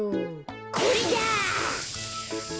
これだ！